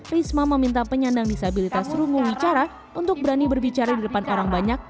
risma meminta penyandang disabilitas rumuh bicara untuk berani berbicara di depan orang banyak